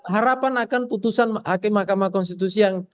harapan akan putusan hakim mahkamah konstitusi yang